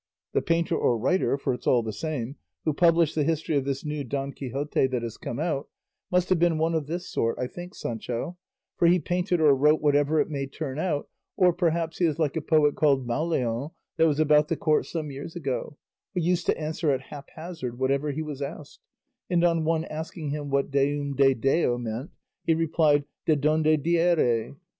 The painter or writer, for it's all the same, who published the history of this new Don Quixote that has come out, must have been one of this sort I think, Sancho, for he painted or wrote 'whatever it might turn out;' or perhaps he is like a poet called Mauleon that was about the Court some years ago, who used to answer at haphazard whatever he was asked, and on one asking him what Deum de Deo meant, he replied De donde diere.